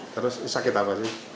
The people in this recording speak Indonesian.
terus sakit apa sih